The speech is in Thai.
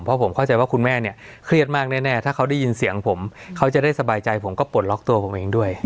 เพราะผมเข้าใจว่าคุณแม่เนี่ยเครียดมากแน่ถ้าเขาได้ยินเสียงผมเขาจะได้สบายใจผมก็ปลดล็อกตัวผมเองด้วย